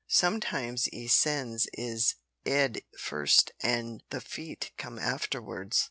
Sometimes 'e sends 'is 'ead first an' the feet come afterwards.